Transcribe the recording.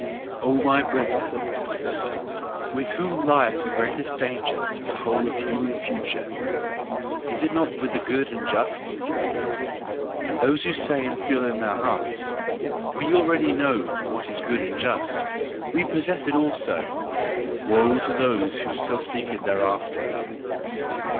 O my brethren! With whom lieth the greatest danger to the whole human future? Is it not with the good and just? As those who say and feel in their hearts: "We already know what is good and just, we possess it also; woe to those who still seek thereafter!"